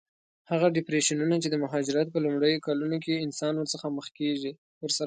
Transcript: هغه ډېپریشنونه چې د مهاجرت په لومړیو کلونو کې انسان ورسره مخ کېږي.